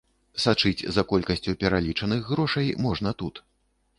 Сачыць за колькасцю пералічаных грошай можна тут.